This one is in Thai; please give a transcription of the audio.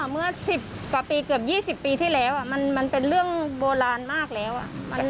เมื่อสิบกว่าปีเกือบยี่สิบปีที่แล้วอ่ะมันเป็นเรื่องโบราณมากแล้วอ่ะ